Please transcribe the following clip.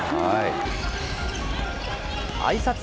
あいさつ